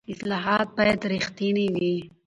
اصلاحات باید رښتیني وي